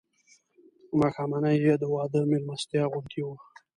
ماښامنۍ یې د واده مېلمستیا غوندې وه.